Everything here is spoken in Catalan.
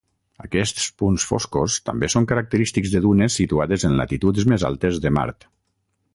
Aquests punts foscos també són característics de dunes situades en latituds més altes de Mart.